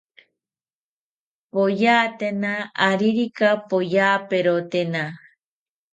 Poyatena aririka poyaperotena